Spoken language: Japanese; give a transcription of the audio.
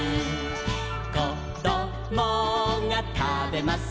「こどもがたべます